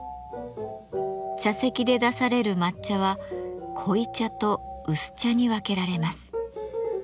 茶席で出される抹茶は濃茶と薄茶に分けられます。